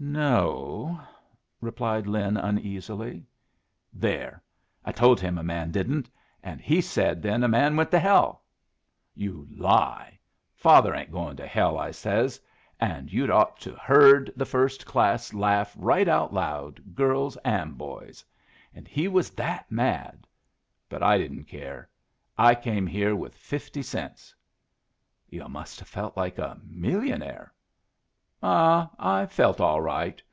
"No," replied Lin, uneasily. "There! I told him a man didn't, an' he said then a man went to hell. 'You lie; father ain't going to hell,' I says, and you'd ought to heard the first class laugh right out loud, girls an' boys. An' he was that mad! But I didn't care. I came here with fifty cents." "Yu' must have felt like a millionaire." "Ah, I felt all right!